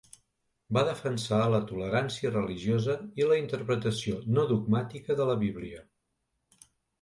Va defensar la tolerància religiosa i la interpretació no dogmàtica de la Bíblia.